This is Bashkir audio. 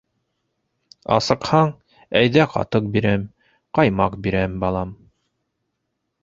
Асыҡһаң, әйҙә ҡатыҡ бирәм, ҡаймаҡ бирәм, балам.